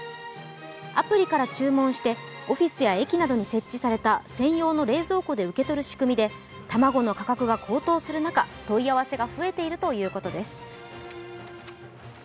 アプリから注文してオフィスや駅などに設置された専用の冷蔵庫で受け取る仕組みで卵の価格が高騰する中、問い合わせが増えているということです。